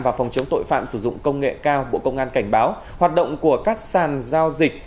và phòng chống tội phạm sử dụng công nghệ cao bộ công an cảnh báo hoạt động của các sàn giao dịch